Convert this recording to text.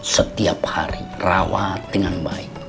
setiap hari rawat dengan baik